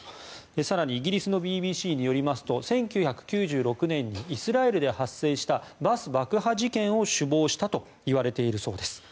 更にイギリスのＢＢＣによりますと１９９６年にイスラエルで発生したバス爆破事件を首謀したといわれているそうです。